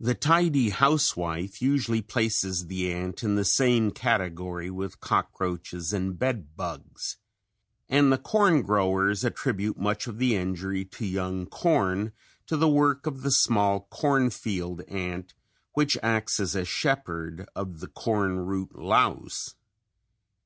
The tidy housewife usually places the ant in the same category with cockroaches and bed bugs and the corn growers attribute much of the injury to young corn to the work of the small cornfield ant which acts as a shepherd of the corn root louse.